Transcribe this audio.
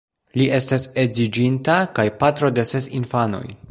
Li estas edziĝinta kaj patro de ses infanoj.